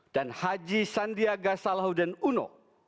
dan haji sandiaga salahuddin uno